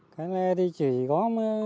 cái này thì chỉ có